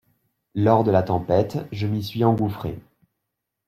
Lors de la tempête, je m’y suis engouffré.